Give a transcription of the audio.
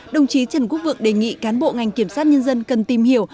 đồng chí trần quốc vượng đề nghị cán bộ ngành kiểm sát nhân dân cần tìm hiểu